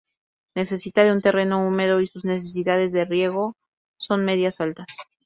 Necesita de un terreno húmedo y sus necesidades de riego son medias-altas.